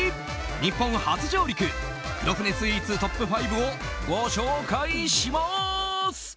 日本初上陸、黒船スイーツトップ５をご紹介します。